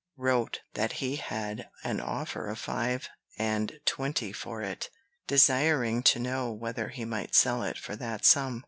wrote that he had an offer of five and twenty for it, desiring to know whether he might sell it for that sum.